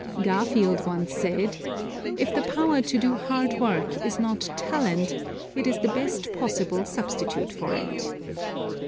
Garfield once said: "If the power to do hard work is not talent it is the best possible substitute for it."